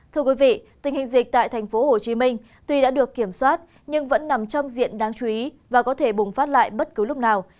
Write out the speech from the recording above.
thưa quý vị tình hình dịch tại tp hcm tuy đã được kiểm soát nhưng vẫn nằm trong diện đáng chú ý và có thể bùng phát lại bất cứ lúc nào